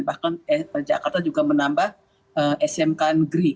bahkan jakarta juga menambah smk negeri